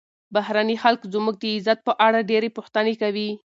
بهرني خلک زموږ د عزت په اړه ډېرې پوښتنې کوي.